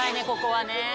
ここはね。